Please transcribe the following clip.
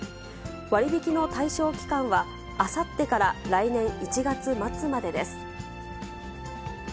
割引の対象期間は、あさってから来年１月末までです。